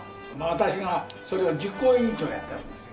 私がそれの実行委員長をやったんです。